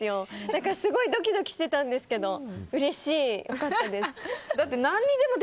だから、すごくドキドキしてたんですけどうれしい！